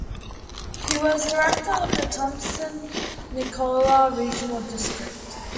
He was director of the Thompson-Nicola Regional District.